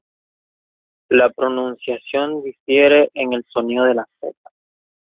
La pronunciación difiere en el sonido de la "z".